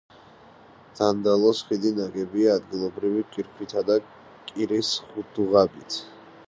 დანდალოს ხიდი ნაგებია ადგილობრივი კირქვითა და კირის დუღაბით.